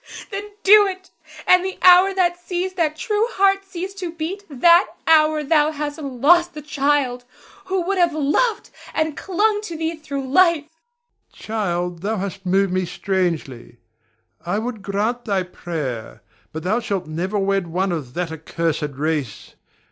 Then do it; and the hour that sees that true heart cease to beat, that hour thou hast lost the child who would have loved and clung to thee through life. Ber. Child, thou hast moved me strangely. I would grant thy prayer, but thou shalt never wed one of that accursed race.